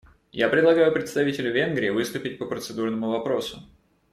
Я предлагаю представителю Венгрии выступить по процедурному вопросу.